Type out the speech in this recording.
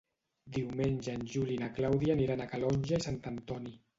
Diumenge en Juli i na Clàudia aniran a Calonge i Sant Antoni.